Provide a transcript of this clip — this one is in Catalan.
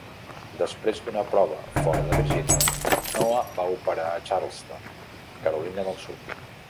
Després d'una prova fora de Virgínia, "Noa" va operar a Charleston, Carolina del Sud.